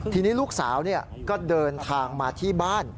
ทีนี้ลูกสาวก็เดินทางมาที่บ้าน